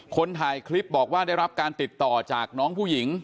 คนถ่ายคลิปบอกว่าได้รับการติดต่อจากน้องผู้หญิง